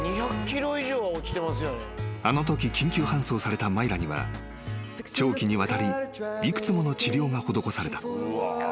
［あのとき緊急搬送されたマイラには長期にわたり幾つもの治療が施された］